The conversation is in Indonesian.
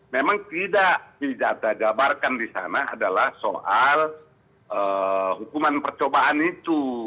memang tidak didata jabarkan di sana adalah soal hukuman percobaan itu